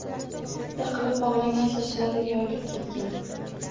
Bitta qilib bog`langan sochlari yoyilib ketgan